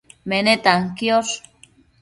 menetan quiosh